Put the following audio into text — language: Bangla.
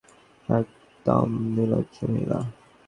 একদম নির্লজ্জ মহিলা!